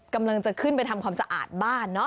กำลังจะขึ้นไปทำความสะอาดบ้านเนอะ